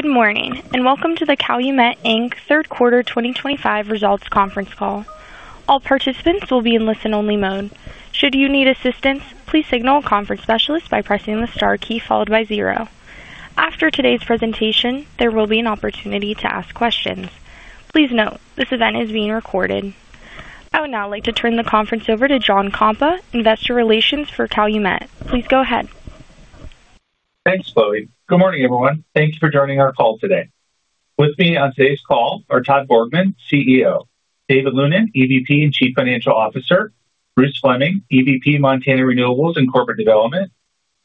Good morning, and welcome to the Calumet Inc Third Quarter 2025 Results Conference Call. All participants will be in listen-only mode. Should you need assistance, please signal a conference specialist by pressing the star key followed by zero. After today's presentation, there will be an opportunity to ask questions. Please note, this event is being recorded. I would now like to turn the conference over to John Kompa, Investor Relations for Calumet. Please go ahead. Thanks, Chloe. Good morning, everyone. Thank you for joining our call today. With me on today's call are Todd Borgmann, CEO; David Lunin, EVP and Chief Financial Officer; Bruce Fleming, EVP Montana Renewables and Corporate Development;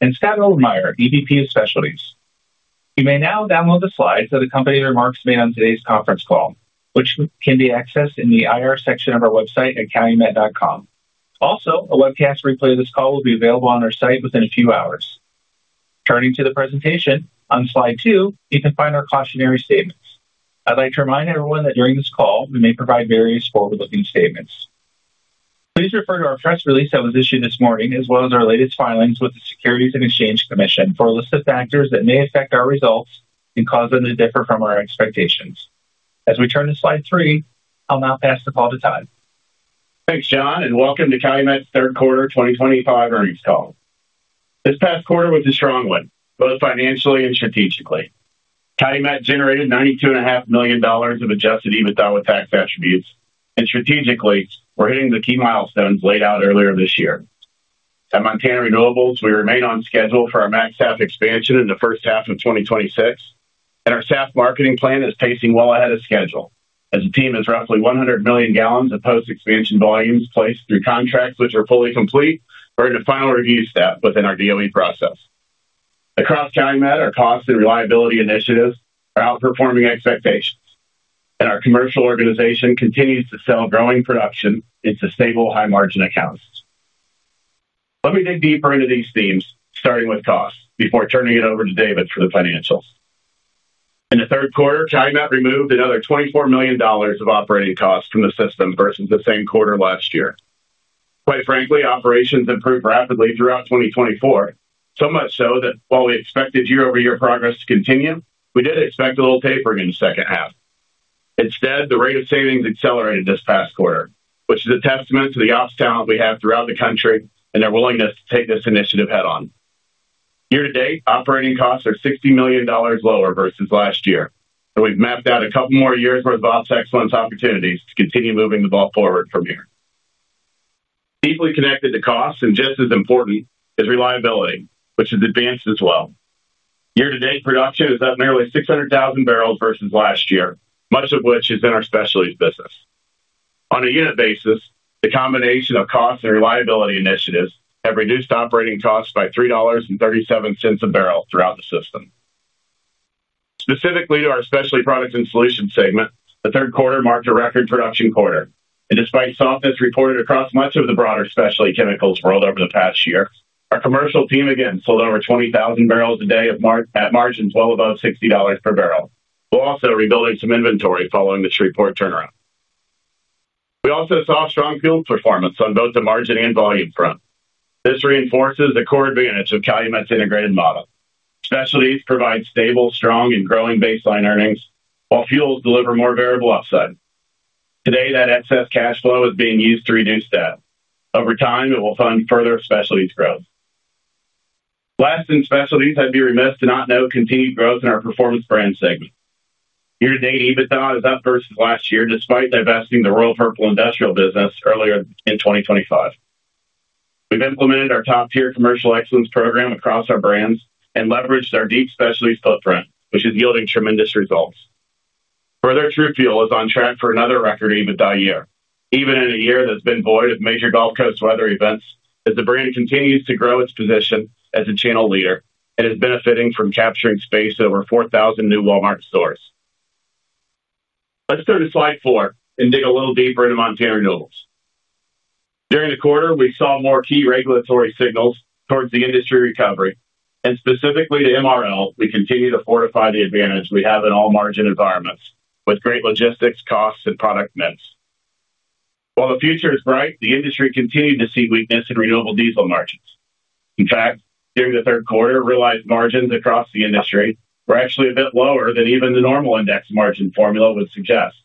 and Scott Obermeier, EVP of Specialties. You may now download the slides of the company remarks made on today's conference call, which can be accessed in the IR section of our website at calumet.com. Also, a webcast replay of this call will be available on our site within a few hours. Turning to the presentation, on slide two, you can find our cautionary statements. I'd like to remind everyone that during this call, we may provide various forward-looking statements. Please refer to our press release that was issued this morning, as well as our latest filings with the Securities and Exchange Commission for a list of factors that may affect our results and cause them to differ from our expectations. As we turn to slide three, I'll now pass the call to Todd. Thanks, John, and welcome to Calumet's third quarter 2025 earnings call. This past quarter was a strong one, both financially and strategically. Calumet generated $92.5 million of adjusted EBITDA with tax attributes, and strategically, we're hitting the key milestones laid out earlier this year. At Montana Renewables, we remain on schedule for our MaxSAF expansion in the first half of 2026, and our SAF marketing plan is pacing well ahead of schedule, as the team has roughly 100 million gallons of post-expansion volumes placed through contracts which are fully complete or in the final review step within our DOE process. Across Calumet, our cost and reliability initiatives are outperforming expectations, and our commercial organization continues to sell growing production into stable, high-margin accounts. Let me dig deeper into these themes, starting with costs, before turning it over to David for the financials. In the third quarter, Calumet removed another $24 million of operating costs from the system versus the same quarter last year. Quite frankly, operations improved rapidly throughout 2024, so much so that while we expected year-over-year progress to continue, we did expect a little tapering in the second half. Instead, the rate of savings accelerated this past quarter, which is a testament to the ops talent we have throughout the country and their willingness to take this initiative head-on. Year to date, operating costs are $60 million lower versus last year, and we've mapped out a couple more years' worth of ops excellence opportunities to continue moving the ball forward from here. Deeply connected to costs, and just as important, is reliability, which has advanced as well. Year to date, production is up nearly 600,000 barrels versus last year, much of which is in our specialties business. On a unit basis, the combination of cost and reliability initiatives have reduced operating costs by $3.37 a barrel throughout the system. Specifically to our specialty products and solutions segment, the third quarter marked a record production quarter, and despite softness reported across much of the broader specialty chemicals world over the past year, our commercial team again sold over 20,000 barrels a day at margins well above $60 per barrel, while also rebuilding some inventory following this report turnaround. We also saw strong fuel performance on both the margin and volume front. This reinforces the core advantage of Calumet's integrated model. Specialties provide stable, strong, and growing baseline earnings, while fuels deliver more variable upside. Today, that excess cash flow is being used to reduce debt. Over time, it will fund further specialties growth. Last in specialties, I'd be remiss to not note continued growth in our performance brand segment. Year to date, EBITDA is up versus last year, despite divesting the Royal Purple industrial business earlier in 2023. We've implemented our top-tier commercial excellence program across our brands and leveraged our deep specialties footprint, which is yielding tremendous results. Further, Trufuel is on track for another record EBITDA year, even in a year that's been void of major Gulf Coast weather events as the brand continues to grow its position as a channel leader and is benefiting from capturing space at over 4,000 new Walmart stores. Let's turn to slide four and dig a little deeper into Montana Renewables. During the quarter, we saw more key regulatory signals towards the industry recovery, and specifically to MRL, we continue to fortify the advantage we have in all margin environments with great logistics, costs, and product mix. While the future is bright, the industry continued to see weakness in renewable diesel margins. In fact, during the third quarter, realized margins across the industry were actually a bit lower than even the normal index margin formula would suggest,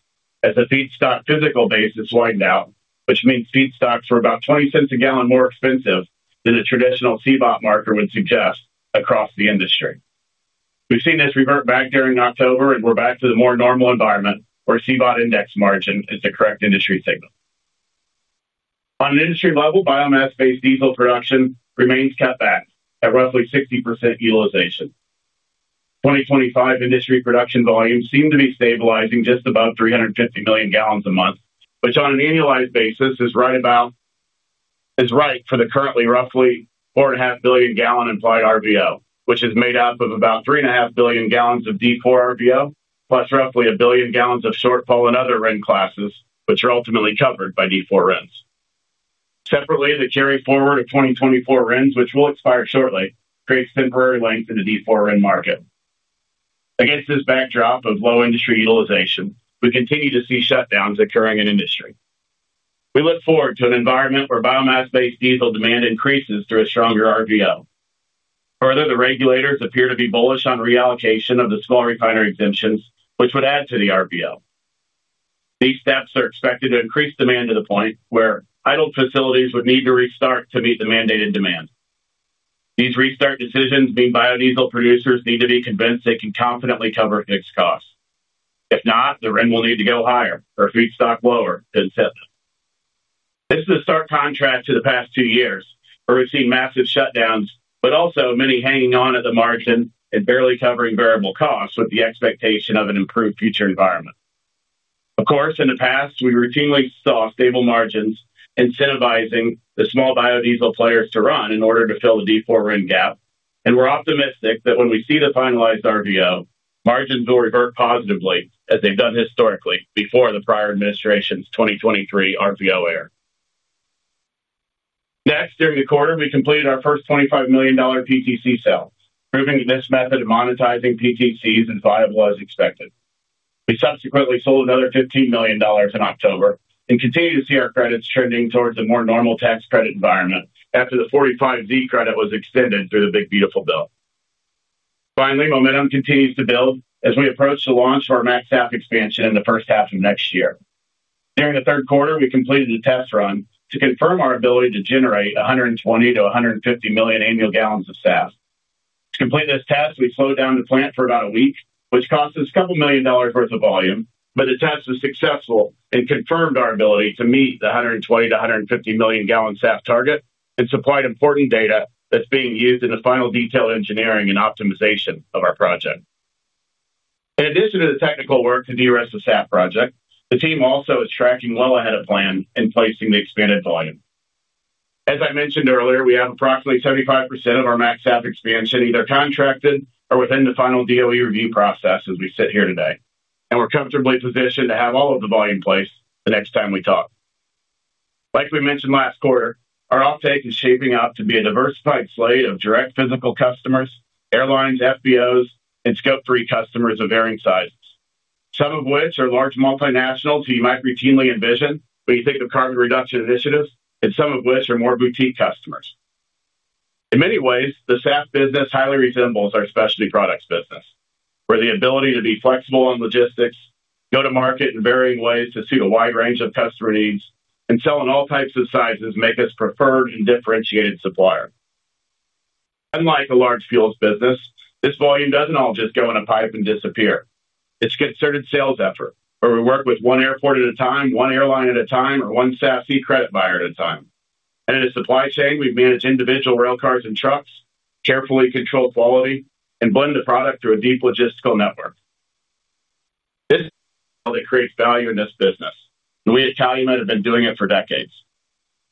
as the feedstock physical base has widened out, which means feedstocks were about $0.20 a gallon more expensive than a traditional CBOT marker would suggest across the industry. We've seen this revert back during October, and we're back to the more normal environment where CBOT index margin is the correct industry signal. On an industry level, biomass-based diesel production remains cut back at roughly 60% utilization. 2025 industry production volumes seem to be stabilizing just above 350 million gallons a month, which on an annualized basis is right about right for the currently roughly 4.5 billion gallon implied RVO, which is made up of about 3.5 billion gallons of D4 RVO plus roughly a billion gallons of shortfall in other RIN classes, which are ultimately covered by D4 RINs. Separately, the carry forward of 2024 RINs, which will expire shortly, creates temporary length in the D4 RIN market. Against this backdrop of low industry utilization, we continue to see shutdowns occurring in industry. We look forward to an environment where biomass-based diesel demand increases through a stronger RVO. Further, the regulators appear to be bullish on reallocation of the small refinery exemptions, which would add to the RVO. These steps are expected to increase demand to the point where idle facilities would need to restart to meet the mandated demand. These restart decisions mean biodiesel producers need to be convinced they can confidently cover fixed costs. If not, the RIN will need to go higher or feedstock lower to incentivize. This is a stark contrast to the past two years, where we've seen massive shutdowns, but also many hanging on at the margin and barely covering variable costs with the expectation of an improved future environment. Of course, in the past, we routinely saw stable margins incentivizing the small biodiesel players to run in order to fill the D4 RIN gap, and we're optimistic that when we see the finalized RVO, margins will revert positively as they've done historically before the prior administration's 2023 RVO era. Next, during the quarter, we completed our first $25 million PTC sale, proving that this method of monetizing PTCs is viable as expected. We subsequently sold another $15 million in October and continue to see our credits trending towards a more normal tax credit environment after the 45Z credit was extended through the Big Beautiful Bill. Finally, momentum continues to build as we approach the launch of our MaxSAF expansion in the first half of next year. During the third quarter, we completed a test run to confirm our ability to generate 120 million-150 million annual gallons of SAF. To complete this test, we slowed down the plant for about a week, which cost us a couple million dollars' worth of volume, but the test was successful and confirmed our ability to meet the 120 million-150 million gallon SAF target and supplied important data that's being used in the final detailed engineering and optimization of our project. In addition to the technical work to de-risk the SAF project, the team also is tracking well ahead of plan and placing the expanded volume. As I mentioned earlier, we have approximately 75% of our MaxSAF expansion either contracted or within the final DOE review process as we sit here today, and we're comfortably positioned to have all of the volume placed the next time we talk. Like we mentioned last quarter, our offtake is shaping up to be a diversified slate of direct physical customers, airlines, FBOs, and scope three customers of varying sizes, some of which are large multinationals who you might routinely envision when you think of carbon reduction initiatives, and some of which are more boutique customers. In many ways, the SAF business highly resembles our specialty products business, where the ability to be flexible on logistics, go to market in varying ways to suit a wide range of customer needs and sell in all types of sizes makes us a preferred and differentiated supplier. Unlike a large fuels business, this volume does not all just go in a pipe and disappear. It is a concerted sales effort, where we work with one airport at a time, one airline at a time, or one SAF fee credit buyer at a time. In a supply chain, we've managed individual railcars and trucks, carefully controlled quality, and blend the product through a deep logistical network. This creates value in this business, and we at Calumet have been doing it for decades.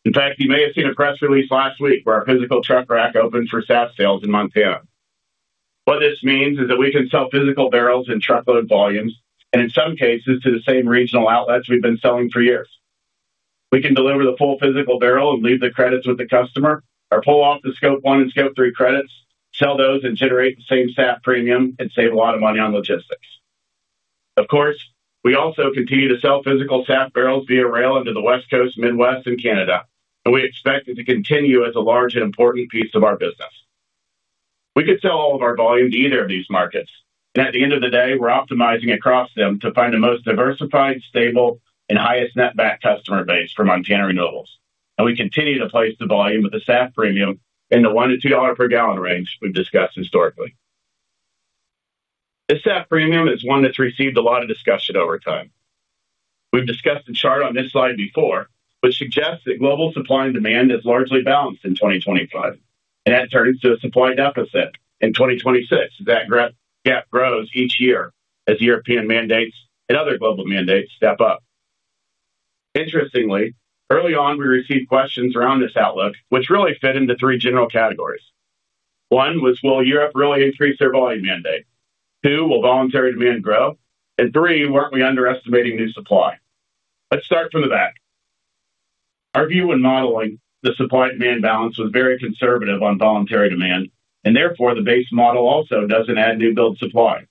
In fact, you may have seen a press release last week where our physical truck rack opened for SAF sales in Montana. What this means is that we can sell physical barrels in truckload volumes and, in some cases, to the same regional outlets we've been selling for years. We can deliver the full physical barrel and leave the credits with the customer, or pull off the scope one and scope three credits, sell those, and generate the same SAF premium and save a lot of money on logistics. Of course, we also continue to sell physical SAF barrels via rail into the West Coast, Midwest, and Canada, and we expect it to continue as a large and important piece of our business. We could sell all of our volume to either of these markets, and at the end of the day, we're optimizing across them to find the most diversified, stable, and highest net back customer base for Montana Renewables, and we continue to place the volume with the SAF premium in the $1-$2 per gallon range we've discussed historically. This SAF premium is one that's received a lot of discussion over time. We've discussed the chart on this slide before, which suggests that global supply and demand is largely balanced in 2025, and that turns to a supply deficit in 2026 as that gap grows each year as European mandates and other global mandates step up. Interestingly, early on, we received questions around this outlook, which really fit into three general categories. One was, will Europe really increase their volume mandate? Two, will voluntary demand grow? And three, were we underestimating new supply? Let's start from the back. Our view when modeling the supply-demand balance was very conservative on voluntary demand, and therefore the base model also doesn't add new build supply.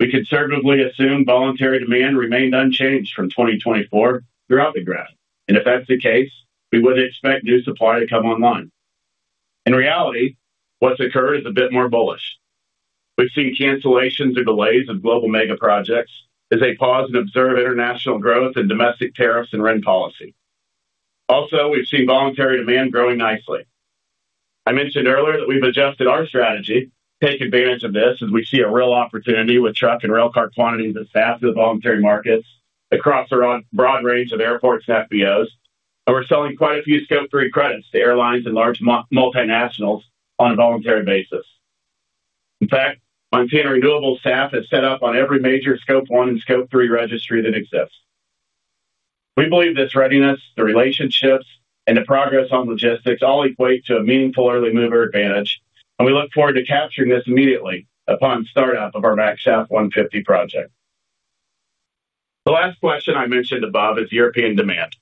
We conservatively assumed voluntary demand remained unchanged from 2024 throughout the graph, and if that's the case, we wouldn't expect new supply to come online. In reality, what's occurred is a bit more bullish. We've seen cancellations or delays of global mega projects as they pause and observe international growth and domestic tariffs and RIN policy. Also, we've seen voluntary demand growing nicely. I mentioned earlier that we've adjusted our strategy to take advantage of this as we see a real opportunity with truck and railcar quantities of SAF through the voluntary markets across a broad range of airports and FBOs, and we're selling quite a few scope three credits to airlines and large multinationals on a voluntary basis. In fact, Montana Renewables SAF is set up on every major scope one and scope three registry that exists. We believe this readiness, the relationships, and the progress on logistics all equate to a meaningful early mover advantage, and we look forward to capturing this immediately upon startup of our MaxSAF 150 project. The last question I mentioned above is European demand,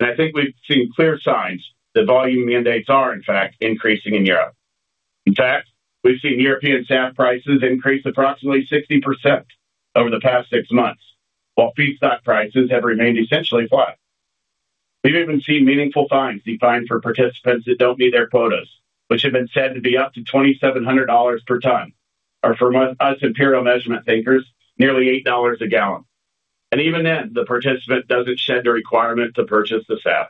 and I think we've seen clear signs that volume mandates are, in fact, increasing in Europe. In fact, we've seen European SAF prices increase approximately 60% over the past six months, while feedstock prices have remained essentially flat. We've even seen meaningful fines defined for participants that don't meet their quotas, which have been said to be up to $2,700 per ton, or for us imperial measurement thinkers, nearly $8 a gallon. Even then, the participant doesn't shed the requirement to purchase the SAF.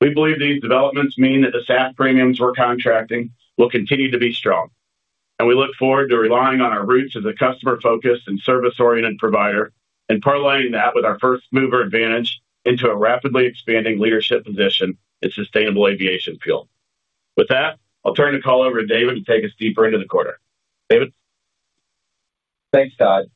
We believe these developments mean that the SAF premiums we're contracting will continue to be strong, and we look forward to relying on our roots as a customer-focused and service-oriented provider and parlaying that with our first mover advantage into a rapidly expanding leadership position in sustainable aviation fuel. With that, I'll turn the call over to David to take us deeper into the quarter. David. Thanks, Todd.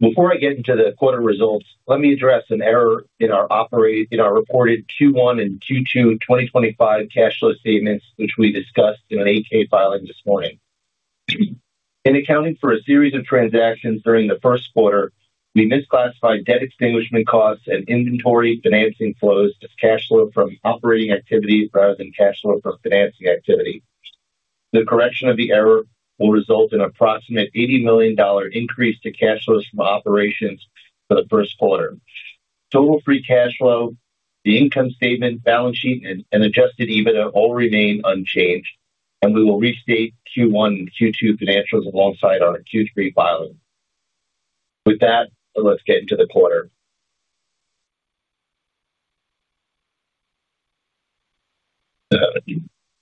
Before I get into the quarter results, let me address an error in our reported Q1 and Q2 2025 cash flow statements, which we discussed in an AK filing this morning. In accounting for a series of transactions during the first quarter, we misclassified debt extinguishment costs and inventory financing flows as cash flow from operating activity rather than cash flow from financing activity. The correction of the error will result in an approximate $80 million increase to cash flows from operations for the first quarter. Total free cash flow, the income statement, balance sheet, and adjusted EBITDA all remain unchanged, and we will restate Q1 and Q2 financials alongside our Q3 filing. With that, let's get into the quarter.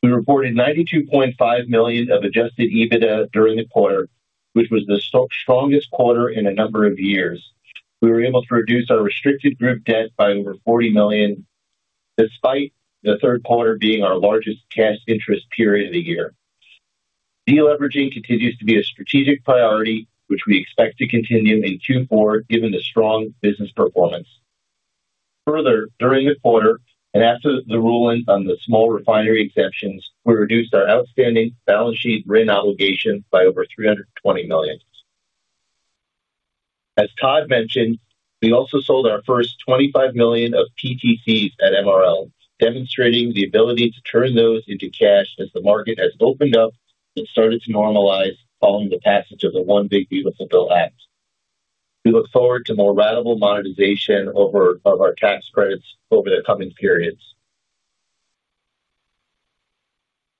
We reported $92.5 million of adjusted EBITDA during the quarter, which was the strongest quarter in a number of years. We were able to reduce our restricted group debt by over $40 million, despite the third quarter being our largest cash interest period of the year. Deleveraging continues to be a strategic priority, which we expect to continue in Q4 given the strong business performance. Further, during the quarter, and after the ruling on the small refinery exemptions, we reduced our outstanding balance sheet RIN obligation by over $320 million. As Todd mentioned, we also sold our first $25 million of PTCs at MRL, demonstrating the ability to turn those into cash as the market has opened up and started to normalize following the passage of the One Big Beautiful Bill Act. We look forward to more ratable monetization of our tax credits over the coming periods.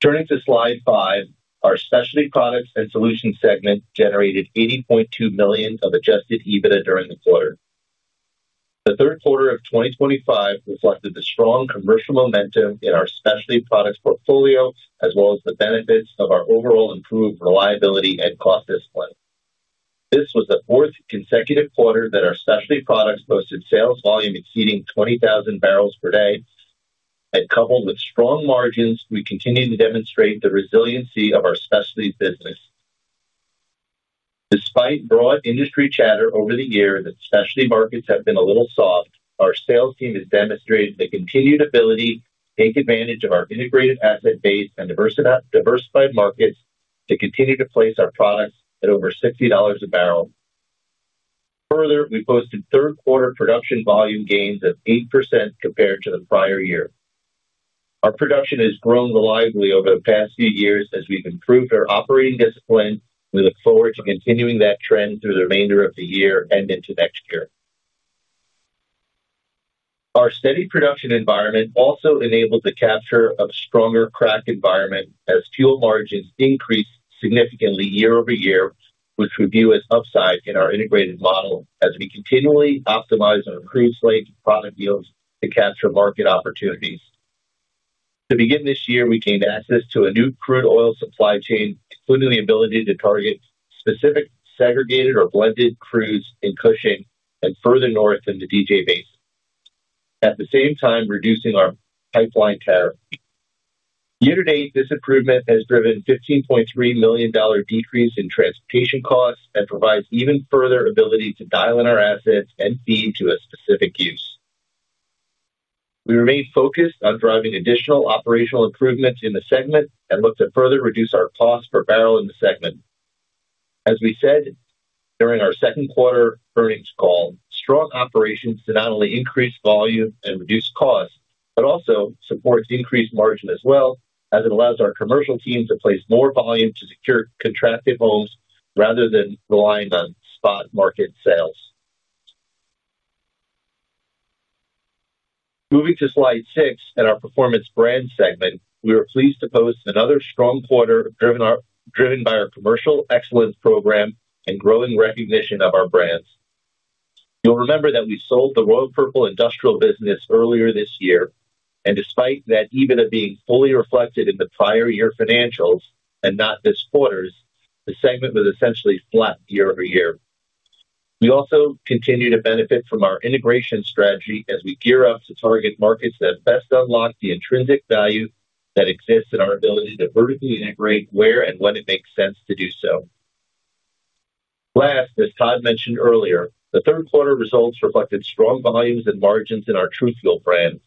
Turning to slide five, our specialty products and solutions segment generated $80.2 million of adjusted EBITDA during the quarter. The third quarter of 2025 reflected the strong commercial momentum in our specialty products portfolio, as well as the benefits of our overall improved reliability and cost discipline. This was the fourth consecutive quarter that our specialty products posted sales volume exceeding 20,000 barrels per day, and coupled with strong margins, we continue to demonstrate the resiliency of our specialty business. Despite broad industry chatter over the year that specialty markets have been a little soft, our sales team has demonstrated the continued ability to take advantage of our integrated asset base and diversified markets to continue to place our products at over $60 a barrel. Further, we posted third quarter production volume gains of 8% compared to the prior year. Our production has grown reliably over the past few years as we've improved our operating discipline. We look forward to continuing that trend through the remainder of the year and into next year. Our steady production environment also enabled the capture of a stronger crack environment as fuel margins increased significantly year-over-year, which we view as upside in our integrated model as we continually optimize our crude slate and product deals to capture market opportunities. To begin this year, we gained access to a new crude oil supply chain, including the ability to target specific segregated or blended crudes in Cushing and further north in the DJ Basin, at the same time reducing our pipeline tariff. Year to date, this improvement has driven a $15.3 million decrease in transportation costs and provides even further ability to dial in our assets and feed to a specific use. We remain focused on driving additional operational improvements in the segment and look to further reduce our cost per barrel in the segment. As we said during our second quarter earnings call, strong operations can not only increase volume and reduce costs, but also support increased margin as well, as it allows our commercial team to place more volume to secure contracted homes rather than relying on spot market sales. Moving to slide six in our performance brand segment, we are pleased to post another strong quarter driven by our commercial excellence program and growing recognition of our brands. You'll remember that we sold the Royal Purple industrial business earlier this year, and despite that EBITDA being fully reflected in the prior year financials and not this quarter's, the segment was essentially flat year-over-year. We also continue to benefit from our integration strategy as we gear up to target markets that best unlock the intrinsic value that exists in our ability to vertically integrate where and when it makes sense to do so. Last, as Todd mentioned earlier, the third quarter results reflected strong volumes and margins in our TRUFUEL brand.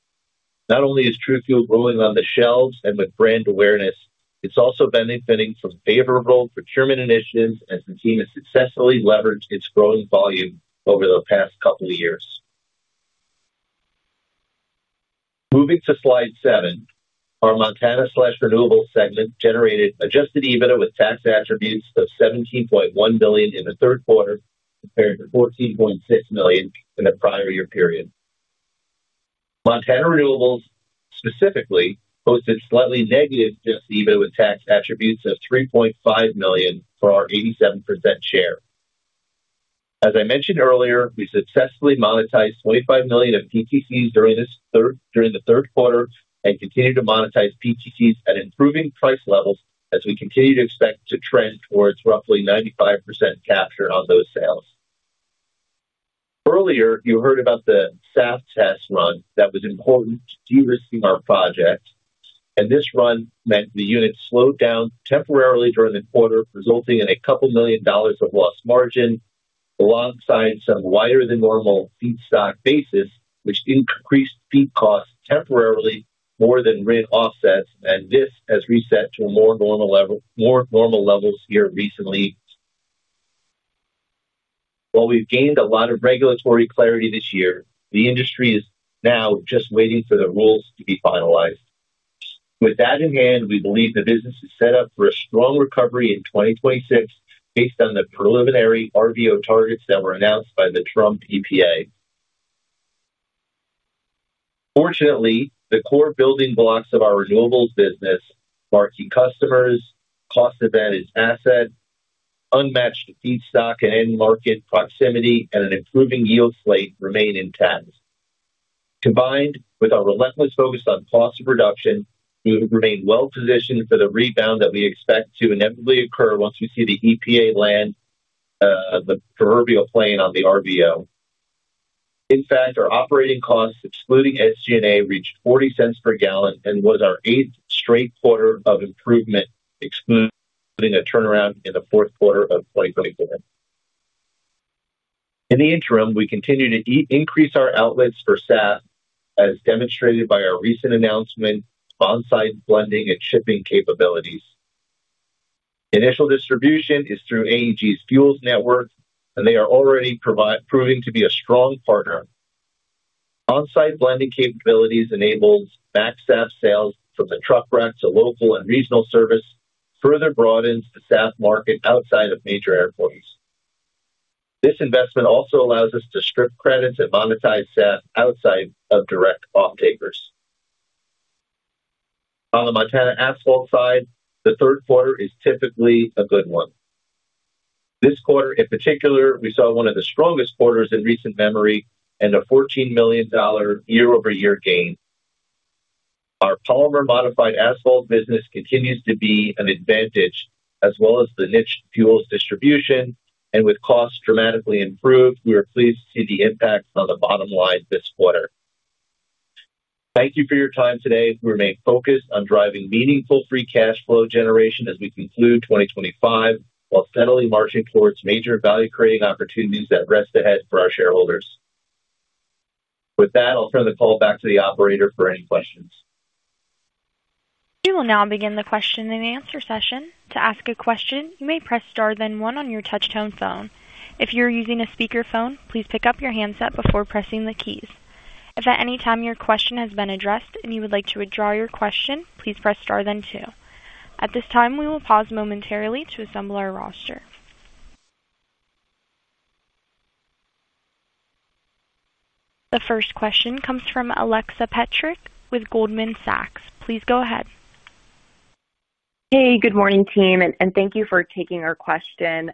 Not only is TRUFUEL growing on the shelves and with brand awareness, it is also benefiting from favorable procurement initiatives as the team has successfully leveraged its growing volume over the past couple of years. Moving to slide seven, our Montana Renewables segment generated adjusted EBITDA with tax attributes of $17.1 million in the third quarter compared to $14.6 million in the prior year period. Montana Renewables specifically posted slightly negative adjusted EBITDA with tax attributes of $3.5 million for our 87% share. As I mentioned earlier, we successfully monetized $25 million of PTCs during the third quarter and continue to monetize PTCs at improving price levels as we continue to expect to trend towards roughly 95% capture on those sales. Earlier, you heard about the SAF test run that was important to de-risking our project, and this run meant the units slowed down temporarily during the quarter, resulting in a couple million dollars of lost margin alongside some wider than normal feedstock basis, which increased feed costs temporarily more than RIN offsets, and this has reset to a more normal level more normal levels here recently. While we've gained a lot of regulatory clarity this year, the industry is now just waiting for the rules to be finalized. With that in hand, we believe the business is set up for a strong recovery in 2026 based on the preliminary RVO targets that were announced by the Trump EPA. Fortunately, the core building blocks of our renewables business, market customers, cost-advantage asset, unmatched feedstock and end market proximity, and an improving yield slate remain intact. Combined with our relentless focus on cost of production, we remain well positioned for the rebound that we expect to inevitably occur once we see the EPA land the proverbial plane on the RVO. In fact, our operating costs, excluding SG&A, reached $0.40 per gallon and was our eighth straight quarter of improvement, excluding a turnaround in the fourth quarter of 2024. In the interim, we continue to increase our outlets for SAF, as demonstrated by our recent announcement, bonsai blending and shipping capabilities. Initial distribution is through AEG's Fuels Network, and they are already proving to be a strong partner. Bonsai blending capabilities enables MaxSAF sales from the truck rack to local and regional service, further broadens the SAF market outside of major airports. This investment also allows us to strip credits and monetize SAF outside of direct off-takers. On the Montana asphalt side, the third quarter is typically a good one. This quarter, in particular, we saw one of the strongest quarters in recent memory and a $14 million year-over-year gain. Our polymer modified asphalt business continues to be an advantage, as well as the niche fuels distribution, and with costs dramatically improved, we are pleased to see the impact on the bottom line this quarter. Thank you for your time today. We remain focused on driving meaningful free cash flow generation as we conclude 2025, while steadily marching towards major value-creating opportunities that rest ahead for our shareholders. With that, I'll turn the call back to the operator for any questions. We will now begin the question and answer session. To ask a question, you may press star then one on your touch-tone phone. If you're using a speakerphone, please pick up your handset before pressing the keys. If at any time your question has been addressed and you would like to withdraw your question, please press star then two. At this time, we will pause momentarily to assemble our roster. The first question comes from Alexa Petrick with Goldman Sachs. Please go ahead. Hey, good morning, team, and thank you for taking our question.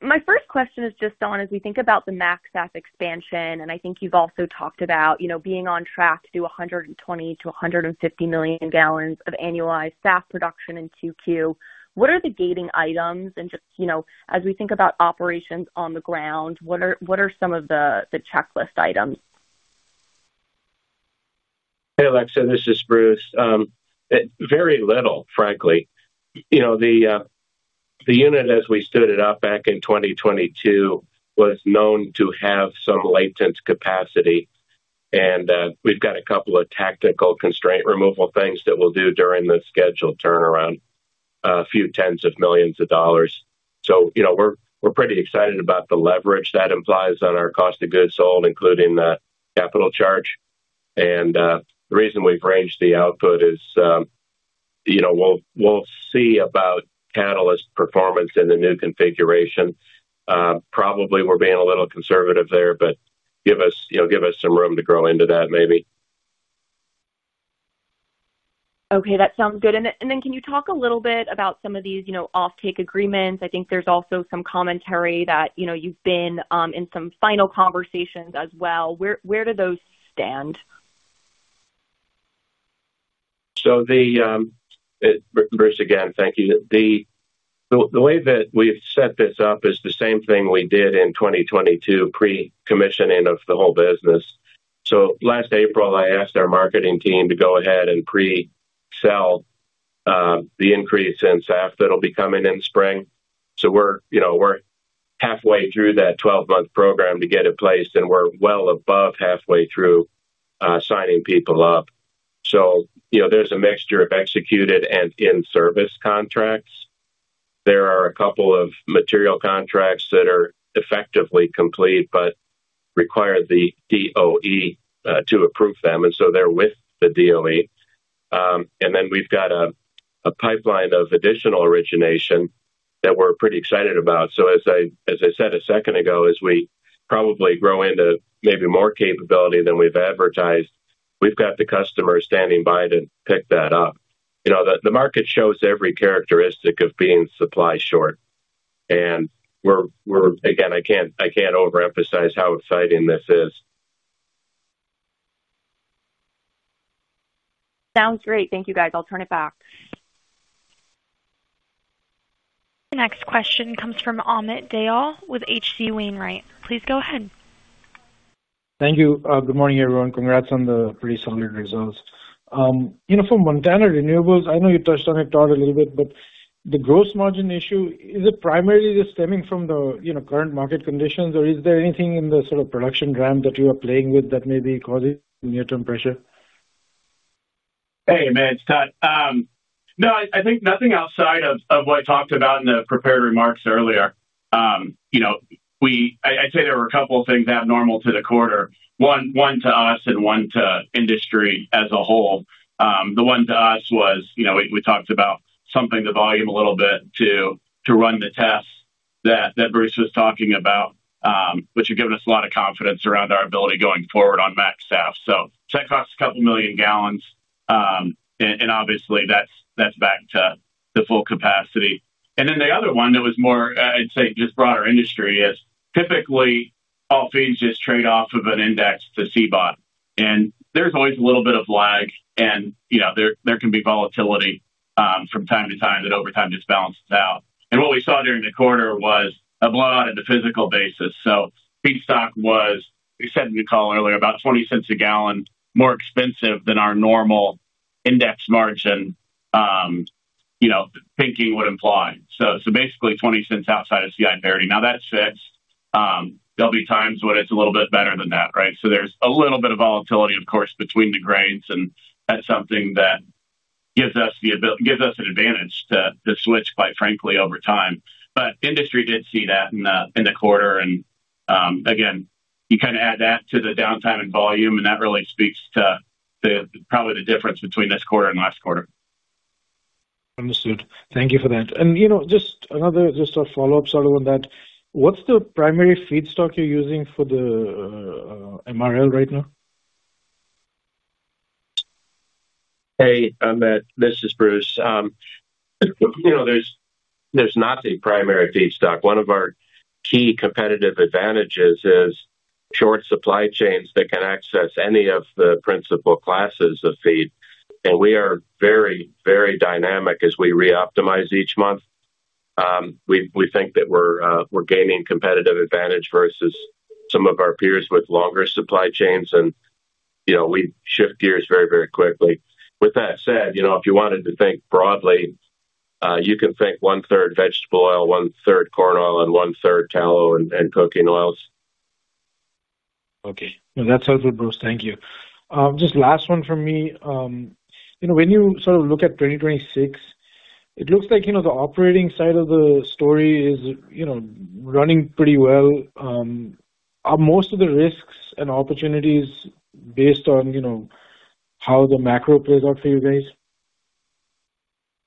My first question is just on, as we think about the MaxSAF expansion, and I think you've also talked about being on track to do 120 million-150 million gallons of annualized SAF production in QQ. What are the gating items? Just as we think about operations on the ground, what are some of the checklist items? Hey, Alexa, this is Bruce. Very little, frankly. The unit, as we stood it up back in 2022, was known to have some latent capacity, and we've got a couple of tactical constraint removal things that we'll do during the scheduled turnaround, a few tens of millions of dollars. We're pretty excited about the leverage that implies on our cost of goods sold, including the capital charge. The reason we've ranged the output is we'll see about catalyst performance in the new configuration. Probably we're being a little conservative there, but give us some room to grow into that maybe. Okay, that sounds good. Can you talk a little bit about some of these off-take agreements? I think there's also some commentary that you've been in some final conversations as well. Where do those stand? Bruce, again, thank you. The way that we've set this up is the same thing we did in 2022, pre-commissioning of the whole business. Last April, I asked our marketing team to go ahead and pre-sell the increase in SAF that'll be coming in spring. We're halfway through that 12-month program to get it placed, and we're well above halfway through signing people up. There's a mixture of executed and in-service contracts. There are a couple of material contracts that are effectively complete but require the DOE to approve them, and so they're with the DOE. Then we've got a pipeline of additional origination that we're pretty excited about. As I said a second ago, as we probably grow into maybe more capability than we've advertised, we've got the customers standing by to pick that up. The market shows every characteristic of being supply short. I can't overemphasize how exciting this is. Sounds great. Thank you, guys. I'll turn it back. The next question comes from Amit Dayal with HC Wainwright. Please go ahead. Thank you. Good morning, everyone. Congrats on the pretty solid results. From Montana Renewables, I know you touched on it, Todd, a little bit, but the gross margin issue, is it primarily stemming from the current market conditions, or is there anything in the sort of production ramp that you are playing with that may be causing near-term pressure? Hey, man, it's Todd. No, I think nothing outside of what I talked about in the prepared remarks earlier. I'd say there were a couple of things abnormal to the quarter. One to us and one to industry as a whole. The one to us was we talked about something to volume a little bit to run the tests that Bruce was talking about, which have given us a lot of confidence around our ability going forward on MaxSAF. Check costs a couple million gallons, and obviously, that's back to the full capacity. The other one that was more, I'd say, just broader industry is typically all feeds just trade off of an index to CBOT. There's always a little bit of lag, and there can be volatility from time to time that over time just balances out. What we saw during the quarter was a blowout in the physical basis. Feedstock was, we said in the call earlier, about $0.20 a gallon more expensive than our normal index margin thinking would imply. Basically, $0.20 outside of CI parity. Now that's fixed. There'll be times when it's a little bit better than that, right? There's a little bit of volatility, of course, between the grains, and that's something that gives us an advantage to switch, quite frankly, over time. Industry did see that in the quarter. You kind of add that to the downtime and volume, and that really speaks to probably the difference between this quarter and last quarter. Understood. Thank you for that. Just another sort of follow-up, sort of on that, what's the primary feedstock you're using for the MRL right now? Hey, Amit. This is Bruce. There's not a primary feedstock. One of our key competitive advantages is short supply chains that can access any of the principal classes of feed. We are very, very dynamic as we reoptimize each month. We think that we're gaining competitive advantage versus some of our peers with longer supply chains, and we shift gears very, very quickly. With that said, if you wanted to think broadly, you can think one-third vegetable oil, one-third corn oil, and one-third tallow and cooking oils. Okay. That's helpful, Bruce. Thank you. Just last one from me. When you sort of look at 2026, it looks like the operating side of the story is running pretty well. Are most of the risks and opportunities based on how the macro plays out for you guys?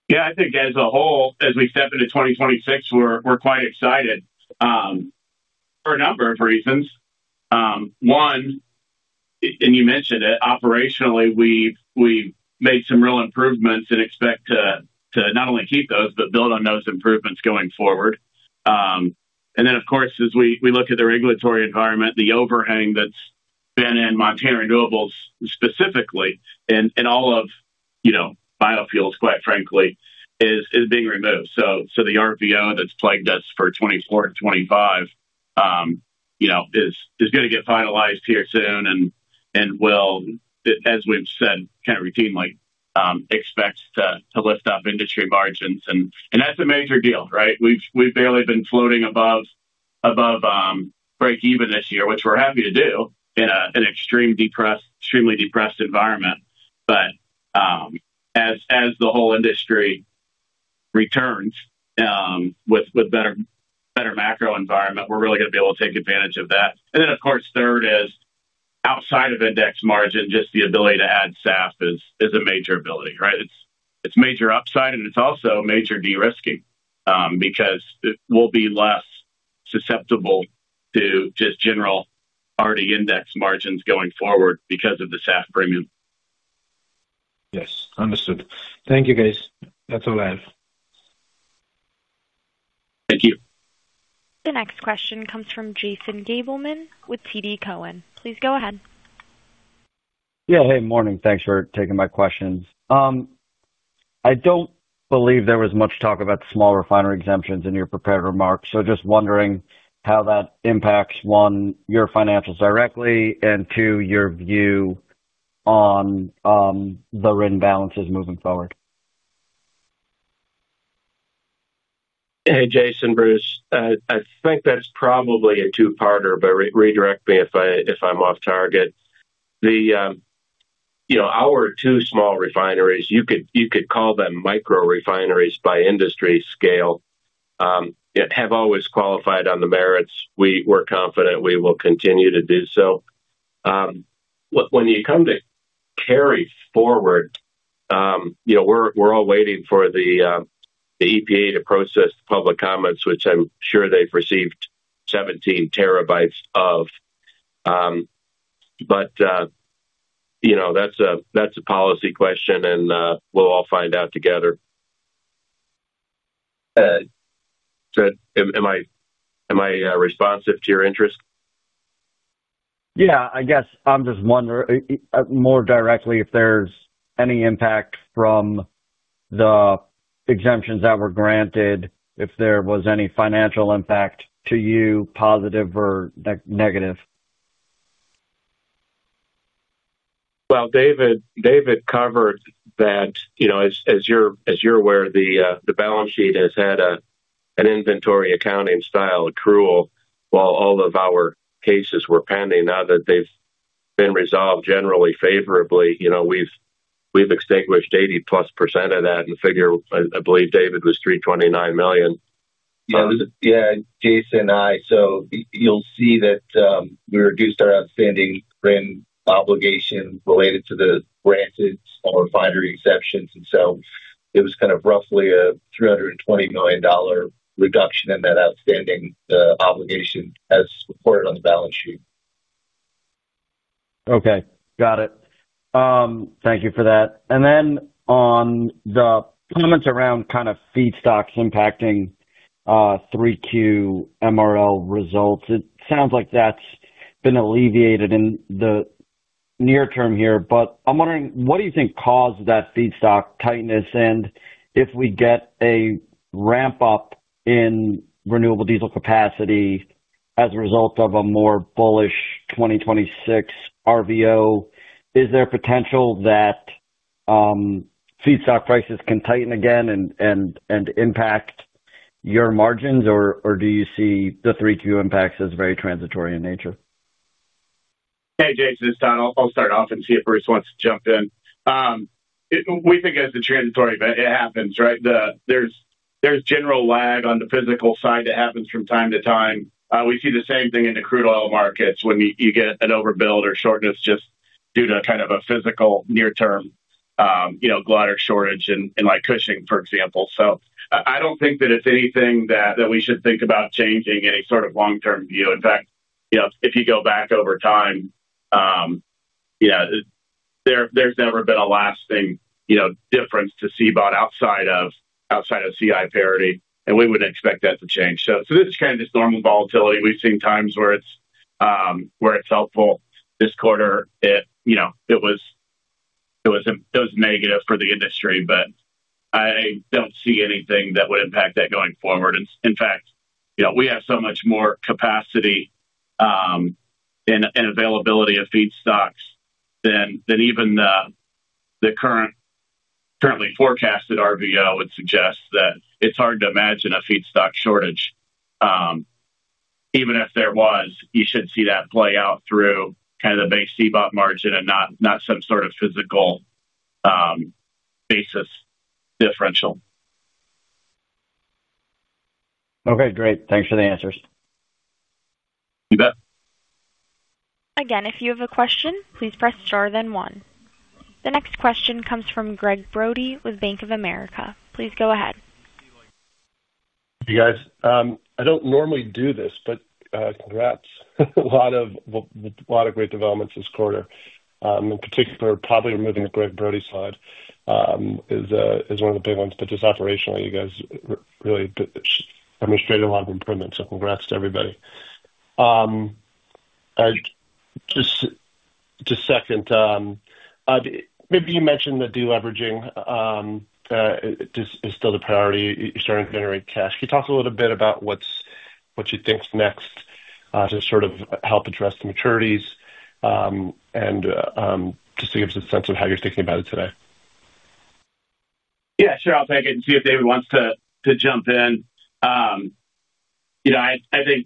Yeah, I think as a whole, as we step into 2026, we're quite excited for a number of reasons. One, and you mentioned it, operationally, we've made some real improvements and expect to not only keep those, but build on those improvements going forward. Of course, as we look at the regulatory environment, the overhang that's been in Montana Renewables specifically and all of biofuels, quite frankly, is being removed. The RVO that's plagued us for 2024 and 2025 is going to get finalized here soon and will, as we've said kind of routinely, expect to lift up industry margins. That's a major deal, right? We've barely been floating above break-even this year, which we're happy to do in an extremely depressed environment. As the whole industry returns with better macro environment, we're really going to be able to take advantage of that. Of course, third is outside of index margin, just the ability to add SAF is a major ability, right? It's major upside, and it's also major de-risking because we'll be less susceptible to just general already index margins going forward because of the SAF premium. Yes. Understood. Thank you, guys. That's all I have. Thank you. The next question comes from Jason Gabelman with TD Cowen. Please go ahead. Yeah. Hey, morning. Thanks for taking my questions. I don't believe there was much talk about the small refinery exemptions in your prepared remarks. So just wondering how that impacts, one, your financials directly, and two, your view on the written balances moving forward. Hey, Jason, Bruce. I think that's probably a two-parter, but redirect me if I'm off target. Our two small refineries, you could call them micro refineries by industry scale, have always qualified on the merits. We're confident we will continue to do so. When you come to carry forward, we're all waiting for the EPA to process the public comments, which I'm sure they've received 17 TB of. That is a policy question, and we'll all find out together. Am I responsive to your interest? Yeah. I guess I'm just wondering more directly if there's any impact from the exemptions that were granted, if there was any financial impact to you, positive or negative. David covered that. As you're aware, the balance sheet has had an inventory accounting style accrual while all of our cases were pending. Now that they've been resolved generally favorably, we've extinguished 80+% of that in the figure. I believe, David, it was $329 million. Yeah, Jason and I. You will see that we reduced our outstanding RIN obligation related to the granted refinery exceptions. It was kind of roughly a $320 million reduction in that outstanding obligation as reported on the balance sheet. Okay. Got it. Thank you for that. On the comments around kind of feedstocks impacting 3Q MRL results, it sounds like that's been alleviated in the near term here. I'm wondering, what do you think caused that feedstock tightness? If we get a ramp-up in renewable diesel capacity as a result of a more bullish 2026 RVO, is there potential that feedstock prices can tighten again and impact your margins, or do you see the 3Q impacts as very transitory in nature? Hey, Jason, it's Todd. I'll start off and see if Bruce wants to jump in. We think it's transitory, but it happens, right? There's general lag on the physical side. It happens from time to time. We see the same thing in the crude oil markets when you get an overbuild or shortness just due to kind of a physical near-term glider shortage in Cushing, for example. I don't think that it's anything that we should think about changing any sort of long-term view. In fact, if you go back over time, there's never been a lasting difference to CBOT outside of CI parity, and we wouldn't expect that to change. This is kind of just normal volatility. We've seen times where it's helpful. This quarter, it was negative for the industry, but I don't see anything that would impact that going forward. In fact, we have so much more capacity and availability of feedstocks than even the currently forecasted RVO would suggest that it's hard to imagine a feedstock shortage. Even if there was, you should see that play out through kind of the base CBOT margin and not some sort of physical basis differential. Okay. Great. Thanks for the answers. You bet. Again, if you have a question, please press star then one. The next question comes from Gregg Brody with Bank of America. Please go ahead. Hey, guys. I don't normally do this, but congrats. A lot of great developments this quarter. In particular, probably removing the Gregg Brody slide is one of the big ones. Just operationally, you guys really demonstrated a lot of improvement. So congrats to everybody. Just a second. Maybe you mentioned that deleveraging is still the priority. You're starting to generate cash. Can you talk a little bit about what you think's next to sort of help address the maturities and just to give us a sense of how you're thinking about it today? Yeah, sure. I'll take it and see if David wants to jump in. I think I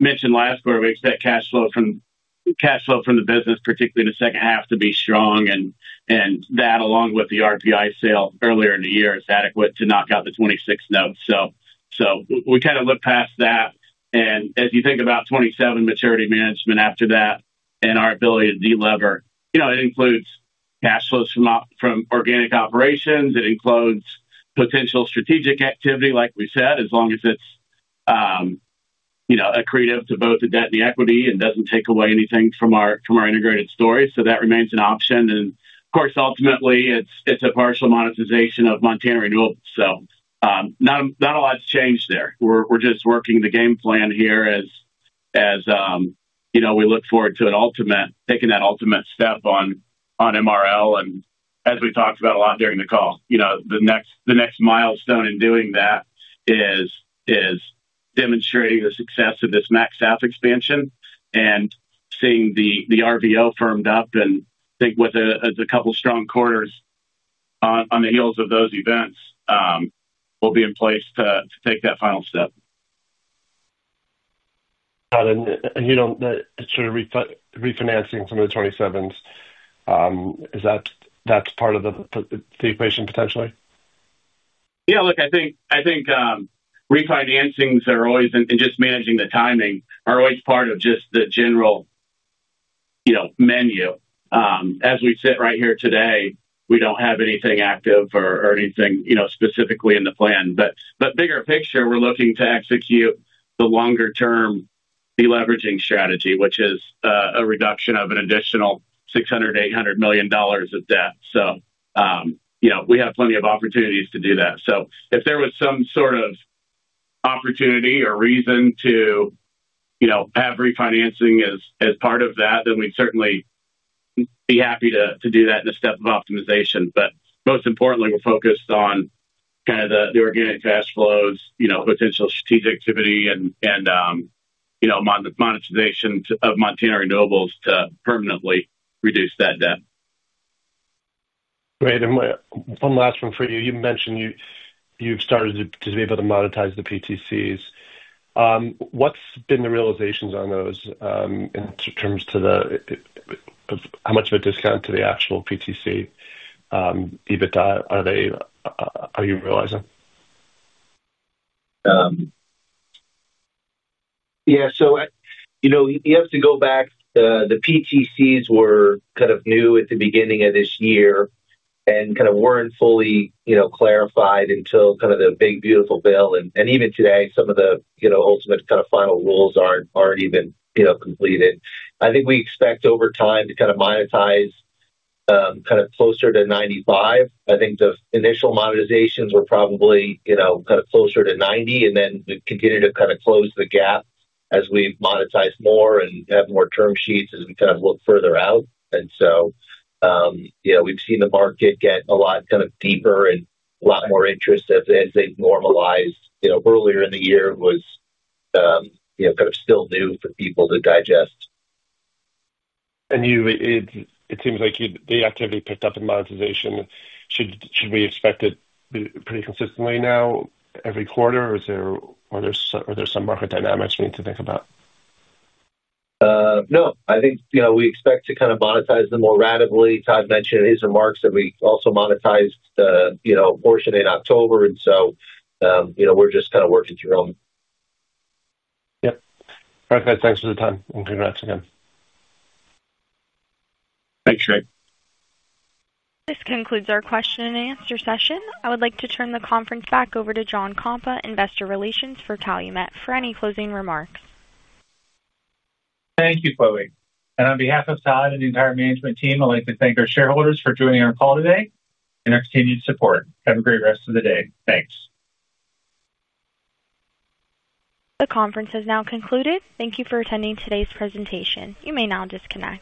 mentioned last quarter we expect cash flow from the business, particularly the second half, to be strong. That, along with the RPI sale earlier in the year, is adequate to knock out the 2026 notes. We kind of look past that. As you think about 2027 maturity management after that and our ability to delever, it includes cash flows from organic operations. It includes potential strategic activity, like we said, as long as it's accretive to both the debt and the equity and doesn't take away anything from our integrated story. That remains an option. Of course, ultimately, it's a partial monetization of Montana Renewables. Not a lot's changed there. We're just working the game plan here as we look forward to taking that ultimate step on MRL. As we talked about a lot during the call, the next milestone in doing that is demonstrating the success of this MaxSAF expansion and seeing the RVO firmed up. I think with a couple of strong quarters on the heels of those events, we'll be in place to take that final step. Got it. And sort of refinancing some of the '27s, is that part of the equation potentially? Yeah. Look, I think refinancings are always and just managing the timing are always part of just the general menu. As we sit right here today, we don't have anything active or anything specifically in the plan. Bigger picture, we're looking to execute the longer-term deleveraging strategy, which is a reduction of an additional $600 million-$800 million of debt. We have plenty of opportunities to do that. If there was some sort of opportunity or reason to have refinancing as part of that, then we'd certainly be happy to do that in a step of optimization. But most importantly, we're focused on kind of the organic cash flows, potential strategic activity, and monetization of Montana Renewables to permanently reduce that debt. Great. And one last one for you. You mentioned you've started to be able to monetize the PTCs. What's been the realizations on those in terms of how much of a discount to the actual PTC? Are you realizing? Yeah. So you have to go back. The PTCs were kind of new at the beginning of this year and kind of weren't fully clarified until kind of the big beautiful bill. And even today, some of the ultimate kind of final rules aren't even completed. I think we expect over time to kind of monetize kind of closer to 95%. I think the initial monetizations were probably kind of closer to 90, and then we continue to kind of close the gap as we monetize more and have more term sheets as we kind of look further out. We have seen the market get a lot kind of deeper and a lot more interest as they have normalized. Earlier in the year was kind of still new for people to digest. It seems like the activity picked up in monetization. Should we expect it pretty consistently now every quarter, or are there some market dynamics we need to think about? No. I think we expect to kind of monetize them more rapidly. Todd mentioned in his remarks that we also monetized the portion in October. We are just kind of working through them. Yep. All right, guys. Thanks for the time. Congrats again. Thanks, Shane. This concludes our question-and-answer session. I would like to turn the conference back over to John Kompa, Investor Relations for Calumet, for any closing remarks. Thank you, Chloe. On behalf of Todd and the entire management team, I'd like to thank our shareholders for joining our call today and our continued support. Have a great rest of the day. Thanks. The conference has now concluded. Thank you for attending today's presentation. You may now disconnect.